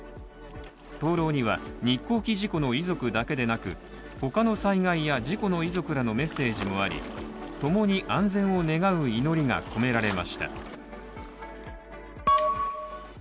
灯籠には日航機事故の遺族だけでなく、他の災害や事故の遺族らのメッセージもあり共に安全を願う祈りが込められました。